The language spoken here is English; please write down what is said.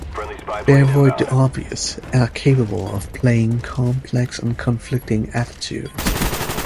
They avoid the obvious, and are capable of playing complex and conflicting attitudes.